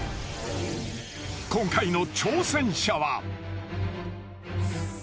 ［今回の挑戦者は］